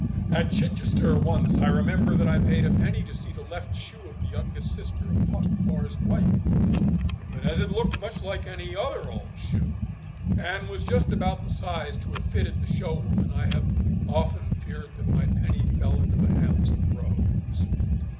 At Chichester once I remember that I paid a penny to see the left shoe of the youngest sister of Potiphar's wife, but as it looked much like any other old shoe, and was just about the size to have fitted the show woman, I have often feared that my penny fell into the hands of rogues.